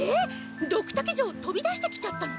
ドクタケ城とび出してきちゃったの！？